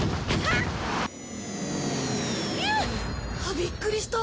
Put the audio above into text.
びっくりした。